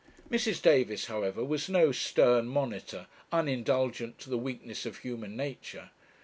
Mrs. Davis, however, was no stern monitor, unindulgent to the weakness of human nature.